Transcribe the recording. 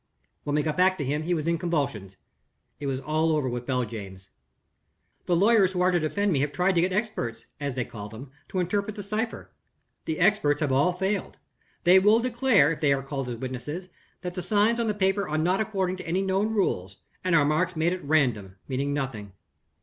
When we got back to him he was in convulsions. It was all over with Beljames. "The lawyers who are to defend me have tried to get Experts, as they call them, to interpret the cipher. The Experts have all failed. They will declare, if they are called as witnesses, that the signs on the paper are not according to any known rules, and are marks made at random, meaning nothing.